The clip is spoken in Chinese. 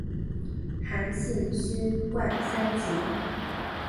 韩信勋冠三杰。